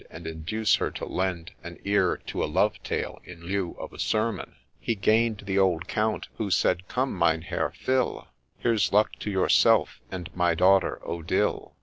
And induce her to lend An ear to a love tale in lieu of a sermon. He gain'd the old Count, who said, ' Come, Mynheer, fill ! Here 's luck to yourself and my daughter Odille